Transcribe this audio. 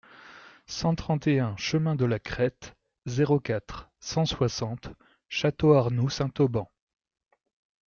cent trente et un chemin de la Crête, zéro quatre, cent soixante, Château-Arnoux-Saint-Auban